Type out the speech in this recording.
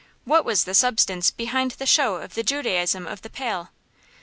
What was the substance behind the show of the Judaism of the Pale?